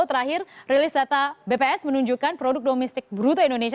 terakhir rilis data bps menunjukkan product domestic bruto indonesia